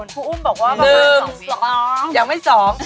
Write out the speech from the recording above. คุณอุ้มบอกว่ามันมี๒วิตซ์